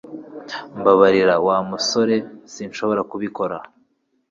Mbabarira, Wa musore, sinshobora kubikora